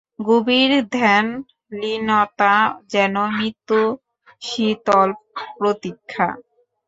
গভীর ধ্যানলীনতা, যেন মৃত্যুশীতল প্রতীক্ষা।